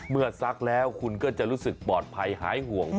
เมื่อซักแล้ววันนี้ก็จะรู้สึกปกติภัยหายห่วง